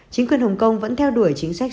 chính quyền hồng kông vẫn theo đuổi chính sách